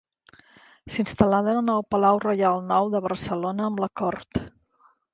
S'instal·laren al Palau Reial Nou de Barcelona amb la cort.